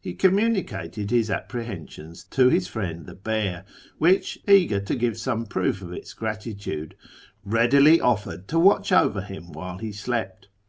He communicated his apprehensions to his friend the bear, who, eager to give some proof of its gratitude, readily offered to watch over him while he slept.